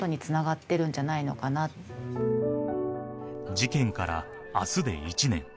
事件から明日で１年。